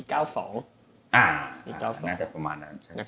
น่าจะประมาณนั้น